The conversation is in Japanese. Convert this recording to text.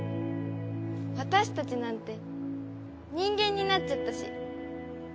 私たちなんて人間になっちゃったし。